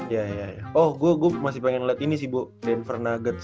iya iya oh gue masih pengen liat ini sih bu rain for nuggets